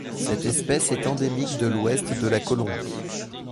Cette espèce est endémique de l'Ouest de la Colombie.